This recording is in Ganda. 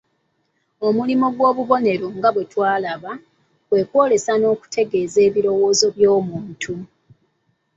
Omulimo omulala ogw'obubonero nga bwe twalaba, kwe kwolesa n'okutegeeza ebirowoozo by'omuntu.